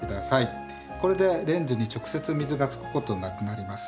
これでレンズに直接水がつくことがなくなります。